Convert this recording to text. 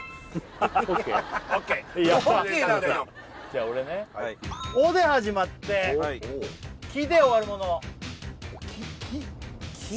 じゃ俺ね「お」で始まって「き」で終わるもの「お」「き」？